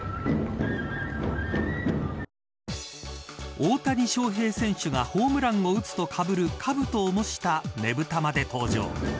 大谷翔平選手がホームランを打つとかぶるかぶとを模したねぶたまで登場。